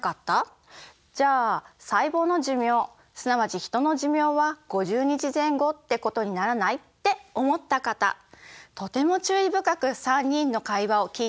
じゃあ細胞の寿命すなわちヒトの寿命は５０日前後ってことにならない？って思った方とても注意深く３人の会話を聞いていますね。